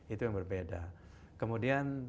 itu yang berbeda kemudian